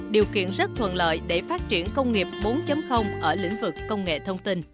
điều kiện rất thuận lợi để phát triển công nghiệp bốn ở lĩnh vực công nghệ thông tin